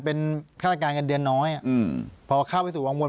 เป็นฆ่าราคาเงินเดือนน้อยอ่ะพอเข้าไว้ศูนย์วงวน